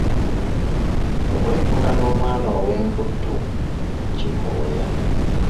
Okuleppuka n'omwana ow'emputtu kikooya.